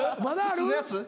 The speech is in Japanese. まだある？